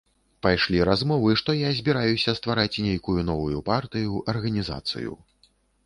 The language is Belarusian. Пайшлі размовы, што я збіраюся ствараць нейкую новую партыю, арганізацыю.